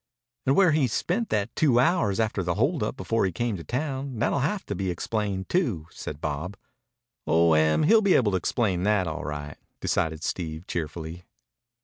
"And where he spent that two hours after the hold up before he came to town. That'll have to be explained too," said Bob. "Oh, Em he'll be able to explain that all right," decided Steve cheerfully.